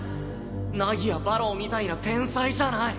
凪や馬狼みたいな天才じゃない。